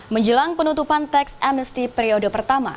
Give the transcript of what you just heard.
menjelang penutupan teks amnesty periode pertama